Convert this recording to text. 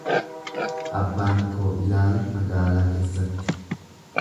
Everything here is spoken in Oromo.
Abbaan koo ilaala magaalaa keessatti.